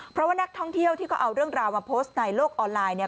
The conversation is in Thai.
เพราะว่านักท่องเที่ยวที่เขาเอาเรื่องราวมาโพสต์ในโลกออนไลน์เนี่ย